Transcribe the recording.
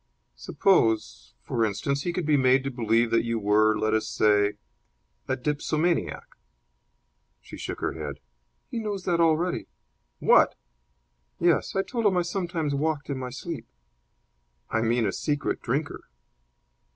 "Suppose, for instance, he could be made to believe that you were, let us say, a dipsomaniac." She shook her head. "He knows that already." "What!" "Yes; I told him I sometimes walked in my sleep." "I mean a secret drinker."